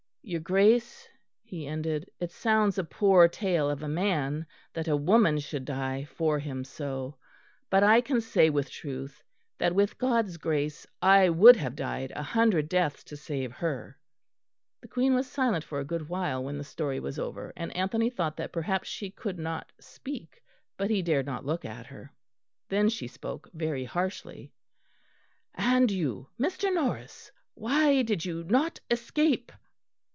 "Your Grace," he ended, "it sounds a poor tale of a man that a woman should die for him so; but I can say with truth that with God's grace I would have died a hundred deaths to save her." The Queen was silent for a good while when the story was over, and Anthony thought that perhaps she could not speak; but he dared not look at her. Then she spoke very harshly: "And you, Mr. Norris, why did you not escape?"